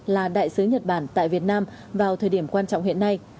là đại sứ nhật bản tại việt nam vào thời điểm quan trọng hiện nay